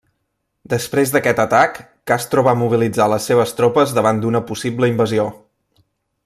Després d'aquest atac, Castro va mobilitzar les seves tropes davant d'una possible invasió.